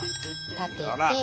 立てて。